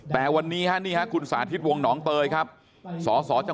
แต่วันนี้คุณสาธิตวงหนองเตยส